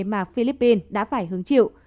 mà philippines đã phải hứng chịu